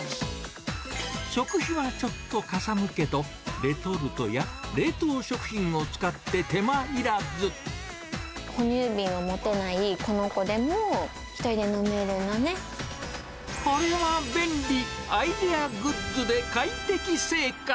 食費はちょっとかさむけど、レトルトや冷凍食品を使って手間ほ乳瓶を持てないこの子でも、これは便利、アイデアグッズで快適生活。